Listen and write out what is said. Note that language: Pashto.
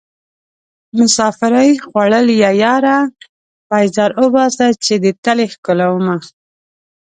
مسافرۍ خوړليه ياره پيزار اوباسه چې دې تلې ښکلومه